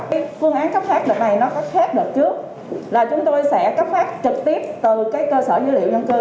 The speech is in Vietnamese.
phương án cấp phát đợt này nó có khác đợt trước là chúng tôi sẽ cấp phát trực tiếp từ cơ sở dữ liệu nhân cư